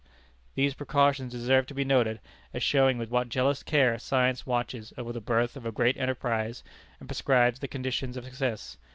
These precautions deserve to be noted, as showing with what jealous care science watches over the birth of a great enterprise, and prescribes the conditions of success.